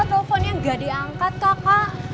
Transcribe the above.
kau teleponnya gak diangkat kakak